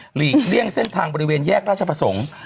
หลีกเลี่ยงเส้นทางบริเวณแยกราชประสงค์